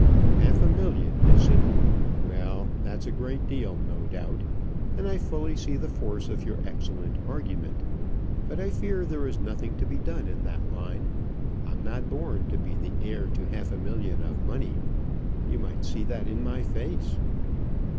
"Half a million, is it? Well, that's a great deal, no doubt; and I fully see the force of your excellent argument. But I fear there is nothing to be done in that line: I'm not born to be the heir to half a million of money; you might see that in my face."